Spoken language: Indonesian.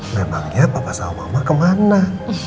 nembaknya papa sama mama kemana